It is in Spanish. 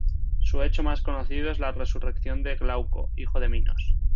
Su hecho más conocido es la resurrección de Glauco, hijo de Minos.